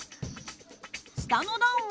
下の段は。